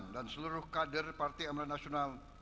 dan seluruh kader partai amalat nasional